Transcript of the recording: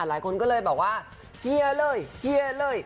หลายคนก็เลยบอกว่าเชียร์เลยเชียร์เลย